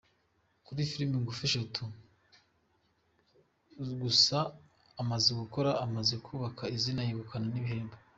Kuri filime ngufi eshatu gusa amaze gukora, amaze kubaka izina yegukana n’ibihembo.